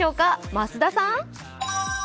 増田さん。